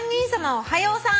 おはようさん」